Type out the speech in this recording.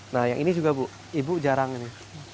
nah yang ini juga bu ibu jarang ini